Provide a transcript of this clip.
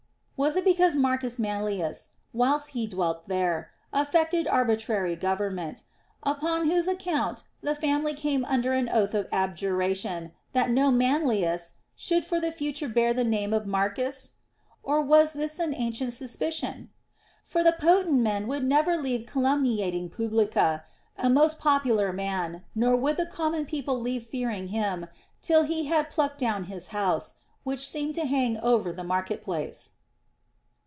Was it because M. Manlius, whilst he dwelt there, affected arbitrary government ; upon whose account the family came under an oath of abjuration that no Man lius should for the future bear the name of Marcus ? Or was this an ancient suspicion ? For the potent men would never leave calumniating Publicola, a most popular man. nor would the common people leave fearing him till he had plucked down his house, which seemed to hang over the market place.